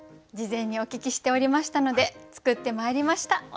事前にお聞きしておりましたので作ってまいりました。